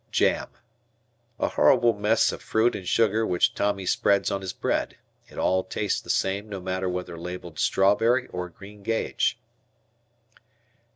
Jam. A horrible mess of fruit and sugar which Tommy spreads on his bread. It all tastes the same no matter whether labelled "Strawberry" or "Green Gage."